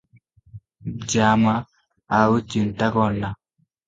ଯା ମା, ଆଉ ଚିନ୍ତା କରନା ।"